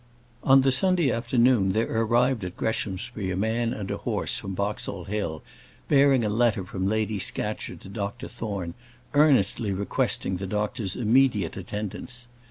On the Sunday afternoon there arrived at Greshamsbury a man and a horse from Boxall Hill, bearing a letter from Lady Scatcherd to Dr Thorne, earnestly requesting the doctor's immediate attendance.